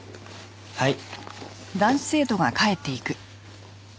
はい。